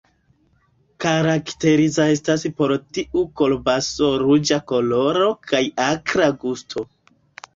Karakteriza estas por tiu kolbaso ruĝa koloro kaj akra gusto.